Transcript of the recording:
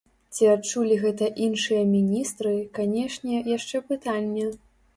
Ці адчулі гэта іншыя міністры, канешне, яшчэ пытанне.